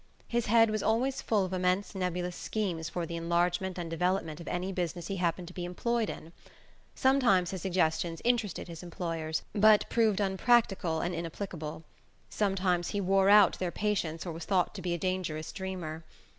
His head was always full of immense nebulous schemes for the enlargement and development of any business he happened to be employed in. Sometimes his suggestions interested his employers, but proved unpractical and inapplicable; sometimes he wore out their patience or was thought to be a dangerous dreamer.